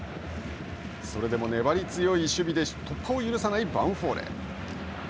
それでも粘り強い守備で突破を許さないヴァンフォーレ。